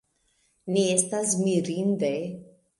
Ne estas mirinde.